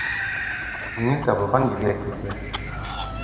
Еңел табылған елгә китә.